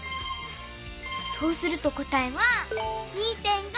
そうすると答えは２．５！